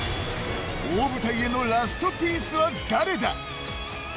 大舞台へのラストピースは誰だ。